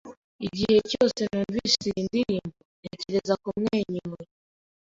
Igihe cyose numvise iyi ndirimbo, ntekereza kumwenyura.